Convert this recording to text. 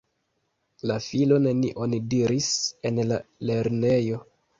La filo nenion diris en la lernejo.